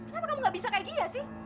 kenapa kamu nggak bisa kayak gini ya sih